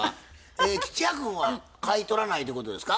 え吉弥君は買い取らないということですか？